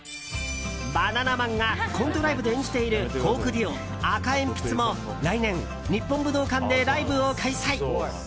バナナマンがコントライブで演じているフォークデュオ赤えんぴつも来年、日本武道館でライブを開催。